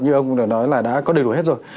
như ông đã nói là đã có đầy đủ hết rồi